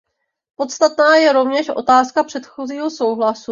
Podstatná je rovněž otázka předchozího souhlasu.